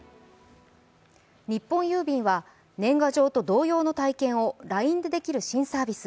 日本郵便は年賀状と同様の体験をＬＩＮＥでできる新サービス